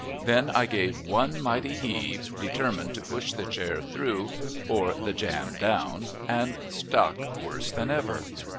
Then I gave one mighty heave, determined to push the chair through or the jam down, and stuck worse than ever.